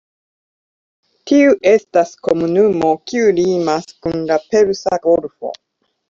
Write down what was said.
Tiu estas komunumo kiu limas kun la Persa Golfo.